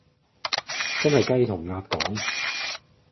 真係雞同鴨講